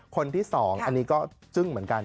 คนที่๒อันนี้ก็จึ้งเหมือนกัน